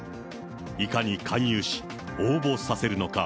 いかに勧誘し、応募させるのか。